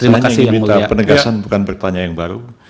saya ingin minta penegasan bukan pertanyaan yang baru